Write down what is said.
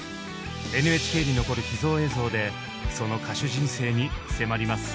ＮＨＫに残る秘蔵映像でその歌手人生に迫ります。